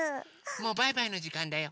もうバイバイのじかんだよ。